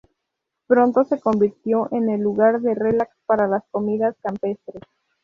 Pronto se convirtió en un lugar de relax para las comidas campestres.